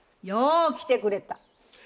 よう来てくれた。